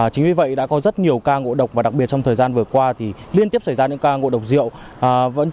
chính vì vậy đã có rất nhiều ca ngộ độc và đặc biệt trong thời gian vừa qua liên tiếp xảy ra những ca ngộ độc rượu